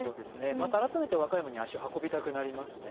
また改めて和歌山に足を運びたくなりますね。